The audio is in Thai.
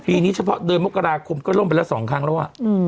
ปีนี้เฉพาะเดินโมกรากลมก็ล้มไปละสองครั้งแล้ว